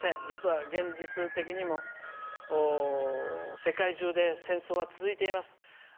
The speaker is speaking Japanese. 実は現実的にも、世界中で戦争は続いています。